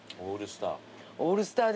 オールスター。